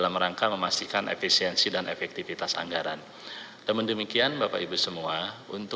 komponen kebutuhan sekolah telah selesai di minggu kedua bulan oktober sebagian sudah selesai di sebelumnya